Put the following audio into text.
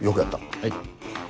はい。